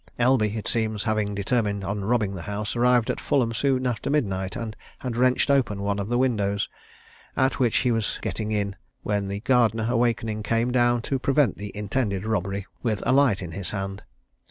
Elby, it seems, having determined on robbing the house, arrived at Fulham soon after midnight, and had wrenched open one of the windows, at which he was getting in, when the gardener, awaking, came down to prevent the intended robbery with a light in his hand.